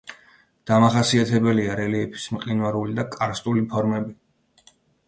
დამახასიათებელია რელიეფის მყინვარული და კარსტული ფორმები.